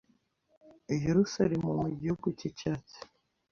Yerusalemu Mu gihugu cyicyatsi